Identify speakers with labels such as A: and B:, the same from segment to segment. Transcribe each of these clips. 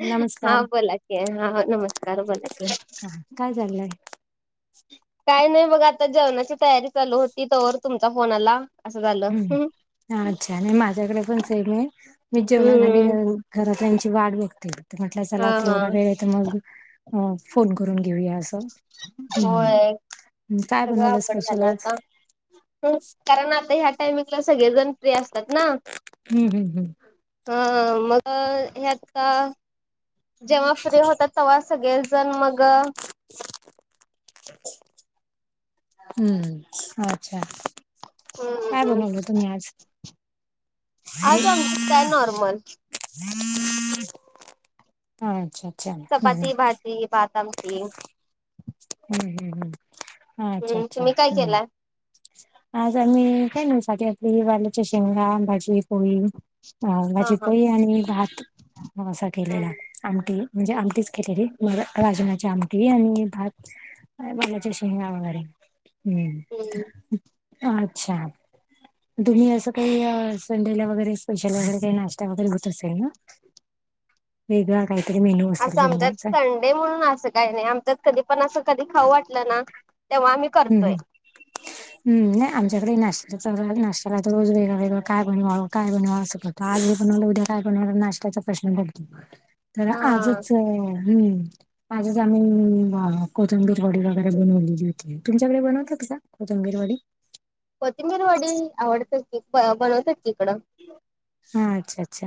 A: नमस्कार
B: हा बोला की हा, हा नमस्कार बोला की
A: हा काय चाललंय
B: काय नाही मग आता जेवणाची तयारी चालू होती तवर तुमच्या फोन आला. असं झालं.
A: हम्म अच्छा आणि माझ्याकडे पण सेम आहे मी जेवणासाठी
B: हम्म
A: घरातल्यांची वाट बघते ते म्हटलं चला
B: हा
A: आता
B: हा
A: एवढा वेळये तर मग फोन करून घेऊया अस हम्
B: होय
A: काय बनवलं स्पेशल आज
B: हो कारण आता ह्या टायमिंगला सगळेजण फ्री असतात ना
A: हम् हम् हम्.
B: हा हा मग अ हे आता जेव्हा फ्री होतात तेव्हा सगळेल जण मग अ
A: हम्म अच्छा काय
B: हम्म
A: बनवला तुम्ही आज
B: आज आमच्यात काय नॉर्मल
A: अच्छा, अच्छा हम्
B: ती भात आमटी
A: हम्म हम् हम्म अच्छा
B: हम्म
A: अच्छा
B: तुम्ही काय
A: हम्म
B: केलाय
A: आज आम्ही काय नाही साधी आपली वाल्याच्या शेंगां, भाजी, पोळी अ
B: हा
A: भाजी,
B: हा
A: पोळी आणि भात असा केलेला.
B: हम्म
A: आमटी म्हणजे आमटीच केलेली मग राजमाची आमटी आणि भात काय वालाच्या शेंगा वगैरे हम्म, अच्छा तुम्ही असं काही संडेला वगैरे स्पेशल वगैरे काही नाश्ता वगैरे होत असेल ना. वेगळा काहीतरी मेनू
B: असं आमच्यात संडे म्हणून असं काही नाही आमच्यात कधी पण असं कधी खाऊ वाटलं ना तेव्हा आम्ही
A: हम्म.
B: करतोय
A: हम्म नाही आमच्याकडे नाश्ता चालू राहतो, नाश्त्याला तर रोज वेगवेगळं काय बनवावं? काय बनवावा? असा सगळा आज हे बनवला, उद्या काय बनवणार नाशत्याचा प्रश्न पडतो. तर
B: हा
A: आजच हम्म. आजच आम्ही कोथंबिर वडी वगैरे बनवलेली. तुमच्याकडे बनवता का कोथिंबीर वडी?
B: कोथिंबीर वडी आवडतात की, बनवतात की इकडं.
A: हा, अच्छा अच्छा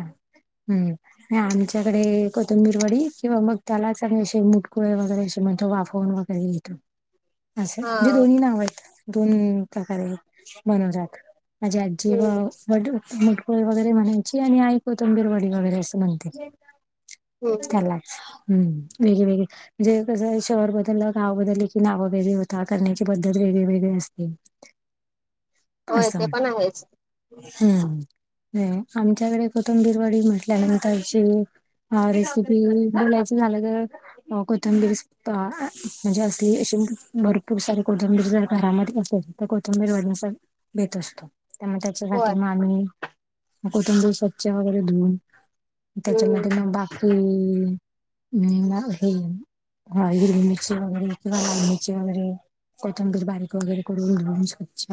A: हम्म आमच्याकडे कोथंबीर वडी किंवा मग त्यालाच शेंग मुटकुळे वगैरे असे म्हणजे वाफवून व गैरे घेतो. असं
B: हा
A: म्हणजे दोन्ही नाव आहेत, दोन प्रकारे बनवलं जातं. माजी आजीव
B: हम्म
A: वडु मुटकुळे वगैरे म्हणायची आणि आई कोथंबीरवडी वगैरे असं म्हणते.
B: हम्म
A: त्यालाच हम्म वेगळे वेगळे म्हणजे कसं शहर बदललं, गाव बदलली की, नावं वेगळी होतात, करण्याची पद्धत वेगळी वेगळी असते.
B: होय,
A: असं
B: ते पण आहेच.
A: हम्म आमच्याकडे कोथंबीरवडी म्हटल्या नंतर शेंग ह रेसिपी बोलायचं झालं तर कोथंबीर म्हणजे असली, अशी भरपूर सारी कोथंबीर जर घरामध्ये असेल तर कोथंबीर वडी असं बेत असतो, त्यामुळे
B: होय
A: त्याच्यासाठी मग आम्ही कोथिंबीर स्वच्छ वगैरे धुऊन
B: हम्म
A: त्याच्यामध्ये मग बाकी अं हे हीरवी मिरची वगैरे, लाल मिरची वगैरे कोथंबीर बारीक वगैरे करून घालून स्वच्छ,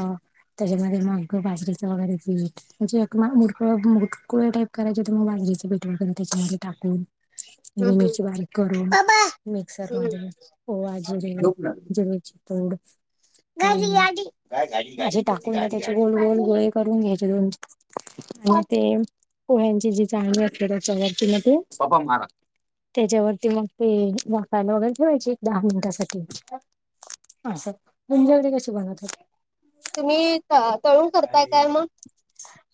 A: त्याच्यामध्ये मग बाजरीचं वगैरे पीठ म्हणजे क मुरकुळे टाईप करायचे, तुमग बांधायं पेट त्याच्यामध्ये टाकून
B: हम्म
A: हिरवी
B: हम्म
A: मिरची बारीक करून मिक्सर
B: हम्म
A: मध्ये ओवा, जीरे, जीरेची पुड [unintelligible] टाकून घ्या त्याचे गोल गोल गोळे करून घ्यायचे दोन आणि ते पोह्यांची जी चाळणी असते त्याच्या वरती मग ते त्याच्यावरती मग ते वाफवायला वगैर ठेवायची, एक दहा मिनिटासाठी. अस तुमच्याकडे कशी बनवतात?
B: तुम्ही तळून करताय काय मग?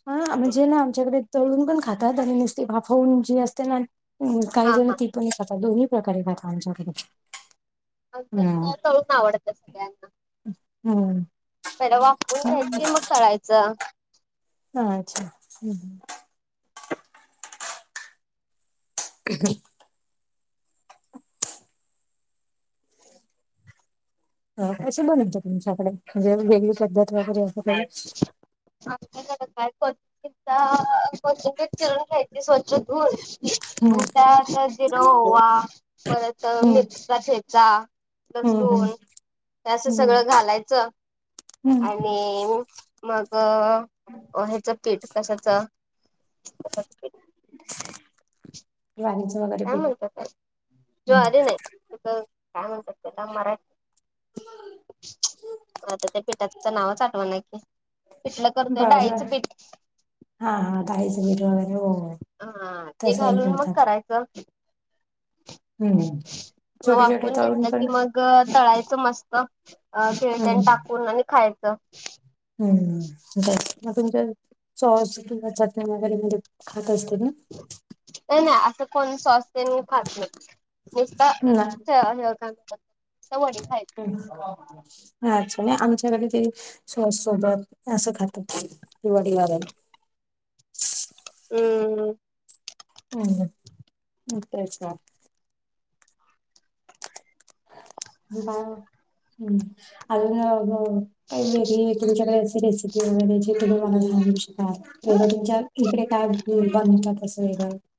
A: हा म्हणजे ना आमच्याकडे तळून पण खातात आणि नुसती वाफवून जे असते ना काही
B: हा
A: जण
B: हा
A: ती पण खातात, दोन्ही प्रकारे खातात आमच्याकडे.
B: आमच्यात तळून आवडतात सगळ्यांना.
A: हम्म
B: मला वाफून घ्यायची, मग तळायचं
A: अच्छा हम्म ह अ कशी बणवतात तुमच्याकडे, म्हणजे वेगळी पद्धत वगैरे अस
B: आमच्याकडं काय कोथिंबीर चिरुण घ्यायची स्वच्छ धून
A: हम्म
B: आणि त्या असं जिर, ओवा, परत
A: हम्म
B: मिरचा ठेचा-
A: हम्म हम्म
B: लसूण, असं
A: हम्म
B: सगळं घालायचं
A: हम्म
B: आणि- मग, ह्याच पीठ कशाच- [inaudible]
A: वाांच [unintelligible]
B: काय म्हणतात, जो आली नाही तु काय म्हणतात त्याला मराठी [unintelligible] आता त्या पिठाच नावच आठवना की? - पिटलं करतंय
A: बर
B: डाळीचं पिठ-
A: हा, हा, डाळीचं पिठ व [unintelligible]
B: हा, ते घालून मग करायचं.
A: हम्म छोटे छोटे
B: वाफवून
A: तळून
B: घेतलं कि
A: करून
B: मग- ग तळायचं मस्त, [unintelligible] टाकून आणि खायचं
A: हम्, मग तुमच सॉस किंवा चटणी वगैरे म्हणजे, खात असतेत ना?
B: ये नाही, असं कोण सॉस् तेन काय नाय.
A: ना?
B: का वय [unintelligible]
A: अच्छा नाही आमच्याकडे ते [unintelligible] स सोबत असं खात दिवाळी लाला [unintelligible]
B: हम्म.
A: हम् म ते का [unintelligible] बा हम्म आ [unintelligible] काही वेगळी तुमच्याकडे असे रेसिपी वगैरे, जे तुम्ही मला सांगू शकाल वेगळं तुमच्या- इकडे काय बनतातसं वेगळं [unintelligible]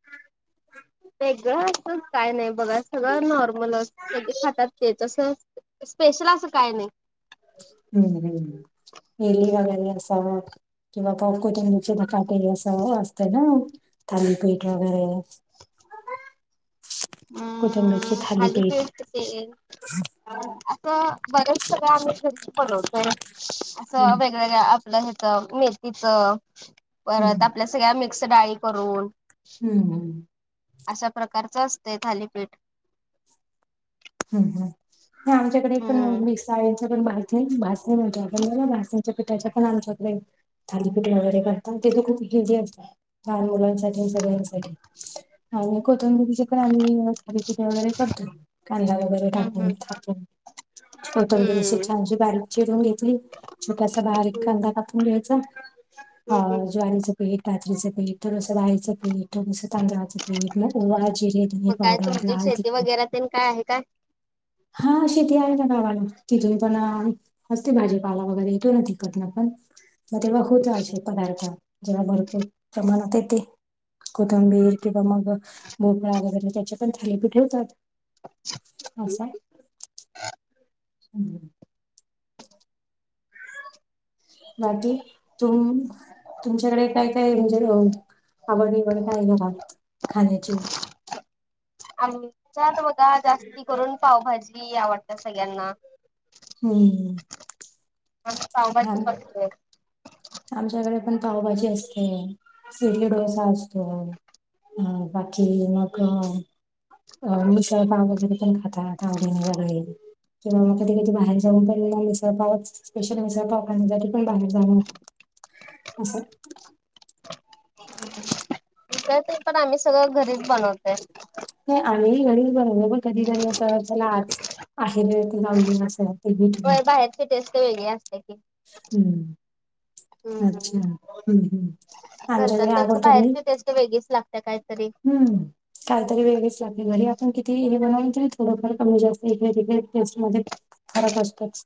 B: वेगळं असं काय नाही बघा, सगळं नॉर्मल अस सगळे खातात तेचस अस- स्पेशल असं काय नाही.
A: हम्म, हम्, एल् वगर सव [unintelligible] किंवा प कुतची काटे असं असतं ना थालीपीठ वगैरे [unintelligible] कोथिंबीर ची
B: अं
A: थालीपीठ
B: तेन
A: -
B: असं बरेच सगळे आम्ही घरीच बणवतोय असं वेग-
A: हम्म
B: वेगवेगळ्या आप ह्याच मेथीच, परत आपल्या सगळ्या मिक्स डाळी करून-
A: हम्. हम्म.
B: अशाप्रकारच असतय थालीपीठ.
A: ह, ह, आमच्याकडे पण
B: हम्म.
A: मिसाळच पण माहि- भासण आपण बघ भासांच्या पिठाच्या पण आमच्याकडे [unintelligible] थालीपीठ वगैरे करतात, ते तर खूप हेल्दी असत, लहान मुलांसाठी सगळ्यांसाठी. आणिक होत तिचे पण आम्ही खकिट वगैरे करतो [unintelligible] कांदा वगैरे
B: हम्म
A: टाकून
B: हम्म.
A: [unintelligible] कून हा कोथिंबीर अशी
B: हम्म.
A: छानशी बारीक- चिरून घेतली, छोटासा बारी कांदा कापून घ्यायचा, आ..
B: हम्म हम्म.
A: ज्वारीच- पीठ, बाजरीचं पीठ असं राहायचं [unintelligible] पेटरसं तांदळाचं ते ओ जिरे ध
B: मग काय
A: पावडर
B: तुमची
A: लालड
B: शेती
A: [unintelligible]
B: वगैरे काय आहे काय?
A: हा शेती आहे ना, गावाला तिथून पण- असते, भाजीपाला वगैरे येतो ना तिकटन पण- मग तेव्हा होत असे पदार्थ जेव्हा भरपूर प्रमाणात येत ते- कोथंबीर किंवा मग भोपळा वगैरे, त्याच्या पण थालीपीठ ठेवतात. असंय.
B: हा [inaudible]
A: हम्. बाकी तुम- तुमच्याकडे काय, काय म्हणजे आवडनीवड काय घ खाण्याची?
B: आमच्यात बघा जास्ती करून पावभाजी आवडते सगळ्यांना.
A: हम्म.
B: आज पावभाजी [unintelligible]
A: आमच्याकडे पण पावभाजी असते सिडली डोसा असतो अ बाकी मग अ मिसळपाव वगैरे पण खातात आवडीने सगळे किंवा मग कधी कधी बाहेर जाऊन पण मिसळ पाव स्पेशल मिसळ पाव करण्यासाठी पण बाहेर जाऊ न [unintelligible] होो अस [unintelligible] [inaudible]
B: मिसळ तेन पण आम्ही सगळं घरीच बनवतय
A: नाही आम्ही घरीच बनवतो पण कधीतरी असं चला आज आहे त जाऊन दिन असं
B: होय बाहेरची टेस्ट वेगळी असते की
A: हम्म
B: हम्म हम्म
A: अच्छा हम्म. आमच्याकडे
B: घरच्यापेक्षा
A: आवडतो मी
B: बाहेरची टेस्ट वेगळीच लागत्या काय तरी
A: हम्म. काय तरी वेगळेच लागते घरी आपण किती हे बनवल तरी थोडंफार कमी जास्त वेगवेगळ्या टेस्ट मध्ये फरक असतोच.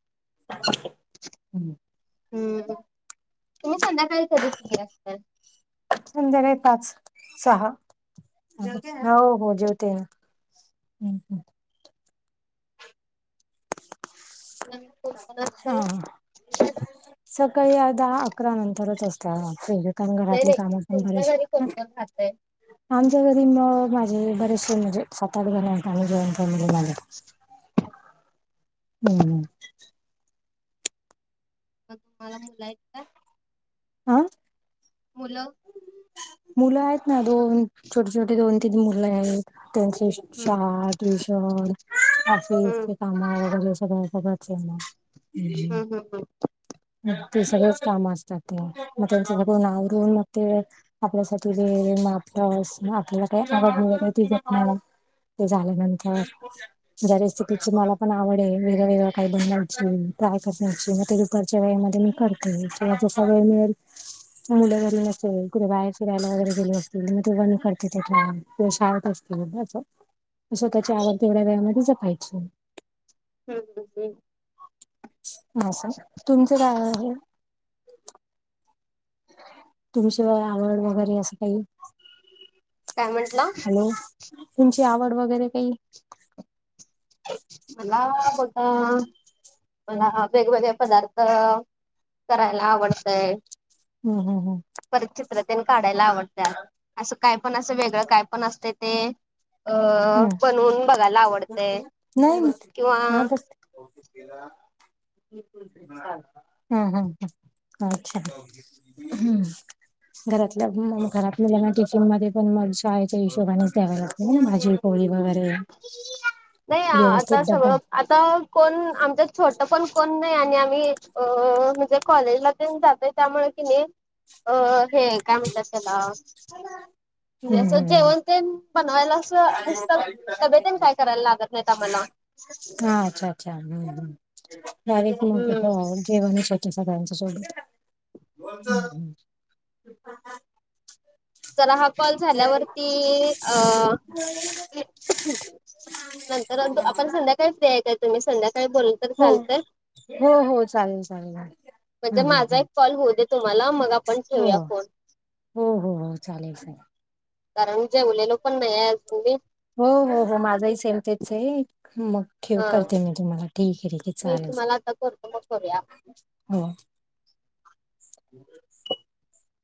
B: हम् तुम्ही संध्याकाय कर [unintelligible] असता
A: संध्याकाळी पाच सहा हो हो जेवतेय हम् हम्.
B: कोण कोण असतंय?
A: हा. सकाळी अ दहा, अकरा नंतरच असत्या कारण
B: नाही
A: घरातली
B: नाही
A: कामं पण
B: तुमच्या घरी कोण
A: बरचशी
B: कोण राहतंय?
A: आमच्या घरी मग माझे बरेचसे म्हणजे सात आठ जण आहेत आम्ही जॉईंट फॅमिली माझ
B: [unintelligible] [inaudible]
A: हम्म हम्.
B: मग तुम्हाला [unintelligible] का
A: आ?
B: मुलं
A: मुलं आहेत ना दोन छोटे छोटे दोन तीन मुलं आहेत त्यांचे
B: हम्म
A: शाळा ट्युशन,
B: हम्म
A: ऑफिसचे काम वगैर सगळं सगळंच. [unintelligible]
B: हम्म हम्म
A: [inaudible] [unintelligible] ते सगळेच काम असतात ते मग त्यांच्याकडून आवरून मग ते आपल्यासाठी तेे मापस आपल्याला काही आवड [unintelligible] ते झाल्यानंतर जरा रेसिपीची मला पण आवड आहे वेगळं वेगळं काही बनवायची ट्राय करण्याची मग ते घरच्या वेळेमध्ये मी करते जसा वेळ मिळेल मुलं घरी नसेल कुठे बाहेर फिरायला वगैरे गेले असतील म [unintelligible] शांत असतील अस स्वतःची आवड तेवढ्या वेळामध्ये जपायची.
B: हम्म हम् हम्.
A: असं तुमचं काय आहे? तुमची आवड वगैरे असं काही
B: काय म्हंटला?
A: हॅलो तुमची आवड वगैरे काही?
B: मला बघा मला वेगवेगळे पदार्थ करायला आवडतय
A: हम्म हम्म
B: परत चित्र तेन काढायला आवडत्यात. असं काय पण असं वेगळं काय पण असतय ते अ
A: हम्म
B: बनवून बघायला आवडतय.
A: नाही आतच ते [unintelligible] हम् हम् ह अच्छा हम्म. घरातल्या घरातलंना टिफिन मध्ये पण मग शाळेच्या हिशोबानेच द्याव लागत नाई भाजी पोळी वगैरे
B: नाही आता
A: व्यवस्थित डब्बा
B: सगळं आता कोण आमच्या छोटं पण कोण नाही आणि आम्ही अ म्हणजे कॉलेजला जातय त्यामुळे कि नाही अ हे काय म्हणतात त्याला हे
A: हम्म
B: असं
A: हम् हम.
B: जेवण तेन बनवायला असं नुसतं डबे तेन काय करायला लागत नाहीत आम्हाला.
A: हा अच्छा अच्छा हम्म हम
B: हम्म
A: [unintelligible] सगळ्यांच सोबत [inaudible] [unintelligible]
B: जरा हा कॉल झाल्यावरती अ
A: [unintelligible] [inaudible]
B: नंतर नंतर आपण संध्याकाळी फ्री हाय काय तुम्ही संध्याकाळी बोलल तर
A: हो
B: चालतंय?
A: हो हो चालेल चालेल.
B: म्हणजे
A: हम्म
B: माझा
A: हम्म
B: एक कॉल होऊ दे तुम्हाला मग आ
A: हो हो हो हो चालेल चालेल.
B: कारण जेवलेलो पण नाही अजून मी
A: हो हो हो माझाही सेम तेच आहे मग ठेव
B: हा
A: करते मी तुम्हाला ठीक आहे ठीक आहे
B: मी
A: चालेल ले
B: तुम्हाला आता करतो मग करूया.
A: हो. हम.